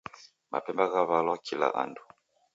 Mapemba ghaw'alwa kila andu